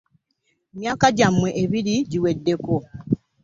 Emyaka gyammwe ebiri giweddeko.